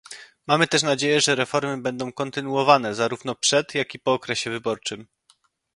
Mamy też nadzieję, że reformy będą kontynuowane zarówno przed, jak i po okresie wyborczym